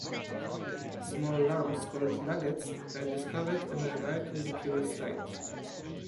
Small lumps, called nuggets, are discovered in a remarkably pure state.